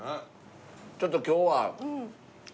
ちょっと今日は朝から。